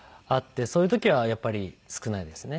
そういう時はやっぱり少ないですね。